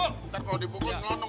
lo mati aja demun